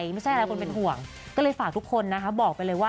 เธอจริงเออนะคะเฮ้ย